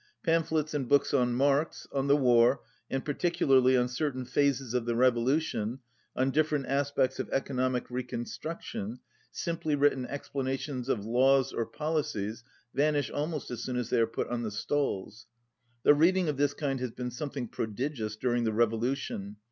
Pamphlets and books on Marx, on the war, and particularly on certain phases of the revolution, on different aspects of economic reconstruction, simply written explanations of laws or policies vanish almost as soon as they are put on the stalls. The reading of this kind has been something prodigious during the revolution.